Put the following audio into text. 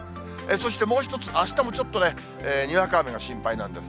そしてもう一つ、あしたもちょっとね、にわか雨が心配なんです。